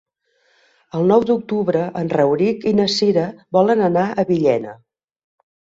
El nou d'octubre en Rauric i na Cira volen anar a Villena.